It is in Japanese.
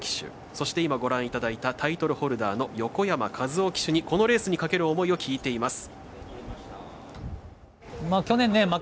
そして今ご覧いただいたタイトルホルダーの横山和生騎手にこのレースにかける思いを聞いています。